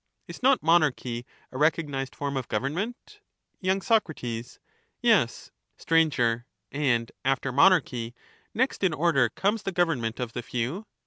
Is not monarchy a recognized form of government ? There are y SoC' Yes. *;^tf'' Sir. And, after monarchy, next in order comes the govern govern ment of the few